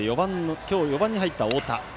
今日、４番に入った太田。